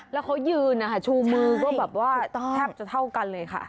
แล้วเขายืนชูมือก็แทบจะเท่ากันเลยค่ะ